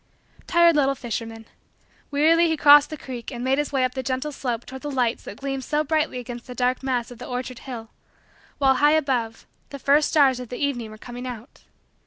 Tired little fisherman. Wearily he crossed the creek and made his way up the gentle slope toward the lights that gleamed so brightly against the dark mass of the orchard hill, while high above, the first stars of the evening were coming out.